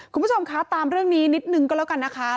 คุณผู้ชมคะตามเรื่องนี้นิดนึงก็แล้วกันนะคะ